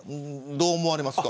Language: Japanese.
どう思われますか。